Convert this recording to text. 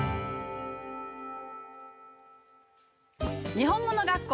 「にほんもの学校」